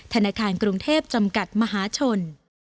ธนาคารกรุงเทพจำกัดมหาชน